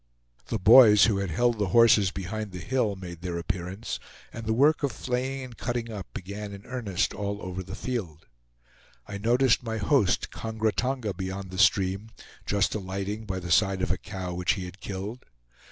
The boys, who had held the horses behind the hill, made their appearance, and the work of flaying and cutting up began in earnest all over the field. I noticed my host Kongra Tonga beyond the stream, just alighting by the side of a cow which he had killed.